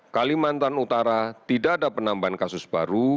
kalimantan utara tidak ada penambahan kasus baru